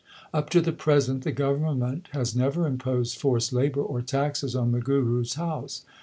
Up to the present the govern ment hath never imposed forced labour or taxes on the Guru s house.